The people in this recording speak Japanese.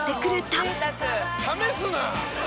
試すな！